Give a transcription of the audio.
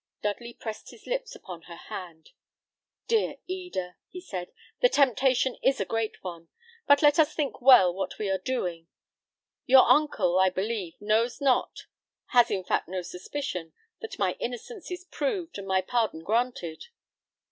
Dudley pressed his lips upon her hand. "Dear Eda," he said, "the temptation is a great one; but let us think well what we are doing. Your uncle, I believe, knows not, has, in fact, no suspicion, that my innocence is proved, and my pardon granted."